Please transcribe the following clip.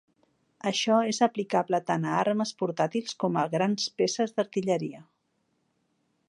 Això és aplicable tant a armes portàtils com a grans peces d'artilleria.